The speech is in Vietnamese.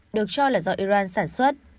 được cho là do iran sản xuất